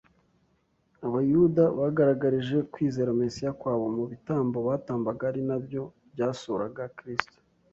Abayuda bagaragarije kwizera Mesiya kwabo mu bitambo batambaga ari na byo byasuraga Kristo.